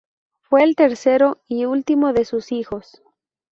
Fue el tercero y último de sus hijos.